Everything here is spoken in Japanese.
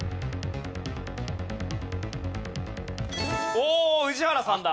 おお宇治原さんだ。